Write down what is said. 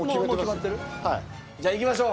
じゃあいきましょう。